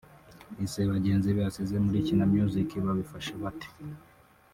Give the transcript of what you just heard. Ese bagenzi be asize muri Kina Music babifashe bate